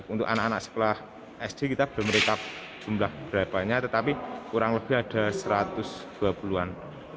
untuk anak anak sekolah sd kita belum rekap jumlah berapanya tetapi kurang lebih ada satu ratus dua puluh an